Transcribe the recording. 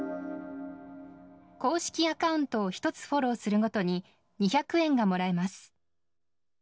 公式アカウントを１つフォローするごとに、２００円がもらえます。